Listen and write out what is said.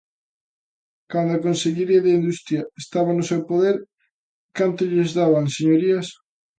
Cando a Consellería de Industria estaba no seu poder, ¿canto lles daban, señorías?